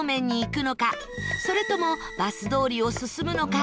それともバス通りを進むのか？